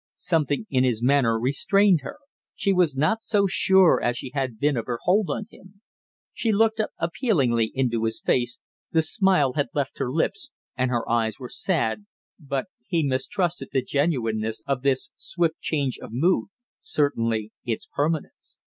Something in his manner restrained her, she was not so sure as she had been of her hold on him. She looked up appealingly into his face, the smile had left her lips and her eyes were sad, but he mistrusted the genuineness of this swift change of mood, certainly its permanence.